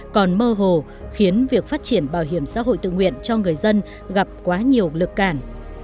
còn mơ hồ khiến việc phát triển bảo hiểm xã hội tự nguyện cho người dân gặp quá nhiều lực cản